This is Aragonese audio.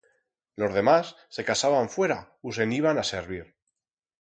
Los demas se casaban fuera u se'n iban a servir.